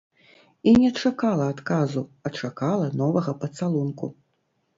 І не чакала адказу, а чакала новага пацалунку.